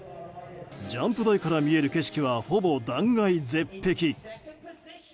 ジャンプ台から見える景色はほぼ断崖絶壁。